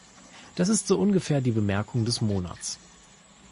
Das ist so ungefähr die Bemerkung des Monats.